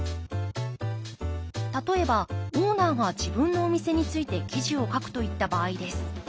例えばオーナーが自分のお店について記事を書くといった場合です。